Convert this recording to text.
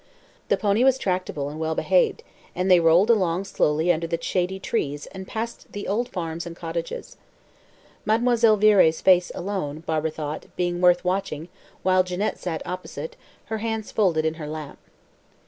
The pony was tractable and well behaved, and they rolled along slowly under the shady trees and past the old farms and cottages, Mademoiselle Viré's face alone, Barbara thought, being worth watching, while Jeannette sat opposite, her hands folded in her lap.